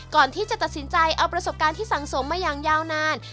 ก่อนที่จะตัดสินใจเอาประสบการณ์ที่สังสมมาอย่างยาวนาน